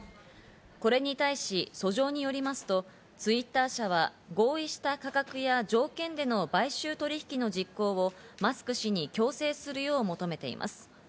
これに対し、訴状によりますと、Ｔｗｉｔｔｅｒ社は合意した価格や条件での買収取引の実行をマスク氏に強制するよう求めています。